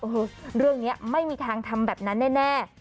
เรื่องนี้ไม่มีทางทำแบบนั้นแน่